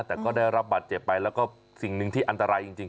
แต่ก็ได้รับบัตรเจ็บไปแล้วก็สิ่งหนึ่งที่อันตรายจริง